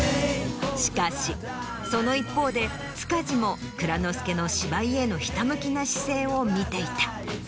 しかしその一方で塚地も蔵之介の芝居へのひたむきな姿勢を見ていた。